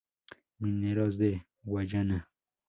Mineros de Guayana.